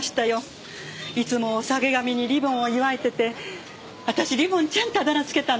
いつもおさげ髪にリボンを結わえてて私リボンちゃんってあだ名つけたの。